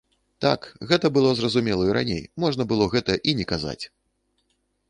Так, гэта было зразумела і раней, можна было гэта і не казаць!